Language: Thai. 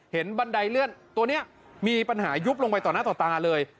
บันไดเลื่อนตัวนี้มีปัญหายุบลงไปต่อหน้าต่อตาเลย